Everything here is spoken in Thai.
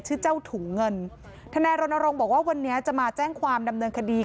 ชื่อเจ้าถุงเงินทนายรณรงค์บอกว่าวันนี้จะมาแจ้งความดำเนินคดี